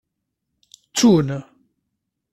Ttun.